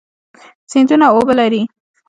سیندونه اوبه لري.